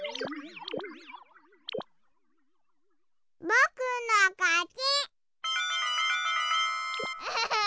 ぼくのかち。